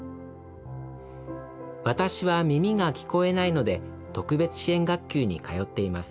私は耳が聴こえないので特別支援学級に通っています